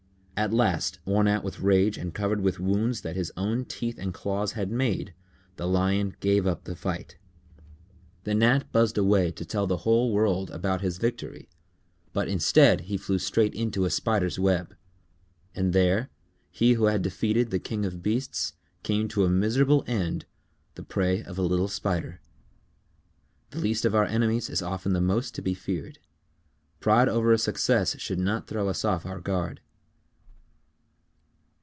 At last, worn out with rage and covered with wounds that his own teeth and claws had made, the Lion gave up the fight. The Gnat buzzed away to tell the whole world about his victory, but instead he flew straight into a spider's web. And there, he who had defeated the King of beasts came to a miserable end, the prey of a little spider. The least of our enemies is often the most to be feared. _Pride over a success should not throw us off our guard.